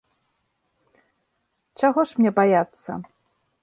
Чаго ж мне баяцца?